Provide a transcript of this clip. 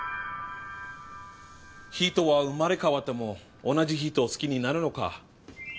人は生まれ変わっても同じ人を好きになるのか？